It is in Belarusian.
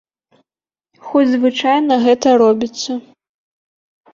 Хоць звычайна гэта робіцца.